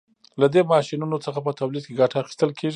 له دې ماشینونو څخه په تولید کې ګټه اخیستل کیږي.